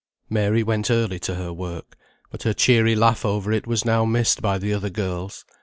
Mary went early to her work; but her cheery laugh over it was now missed by the other girls.